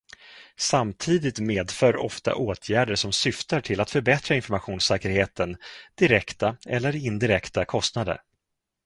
Samtidigt medför ofta åtgärder som syftar till att förbättra informationssäkerheten direkta eller indirekta kostnader.